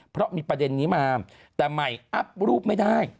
เพราะมีประเด็นนี้มาแต่ใหม่อัพรูปไม่ได้